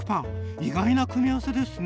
意外な組み合わせですね。